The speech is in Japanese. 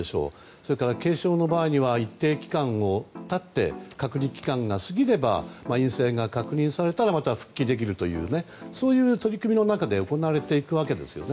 それから軽症の場合には一定期間を経って隔離期間が過ぎて陰性が確認されたらまた復帰できるというそういう取り組みの中で行われていくわけですよね。